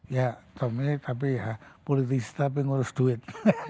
ya tommy tapi ya politisi tapi ngurus duit